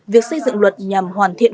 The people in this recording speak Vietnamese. việc xây dựng luật nhằm hoàn thiện